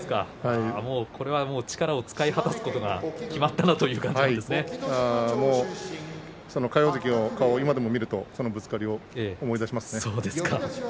これは、もう力を使い果たすことが決まったな魁皇関の顔を今でも見るとぶつかり稽古を思い出しますね。